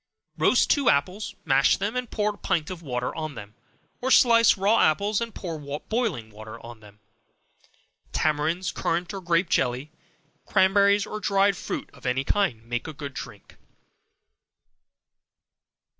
Roast two apples, mash them and pour a pint of water on them; or slice raw apples, and pour boiling water on them. Tamarinds, currant or grape jelly, cranberries, or dried fruit of any kind, make a good drink.